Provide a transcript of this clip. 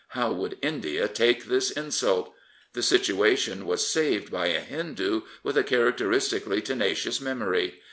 How would India take this insult? The situation was saved by a Hindoo with a characteristically tenacious memory.